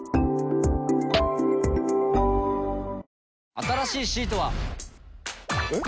新しいシートは。えっ？